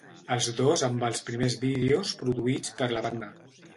Els dos amb els primers vídeos produïts per la banda.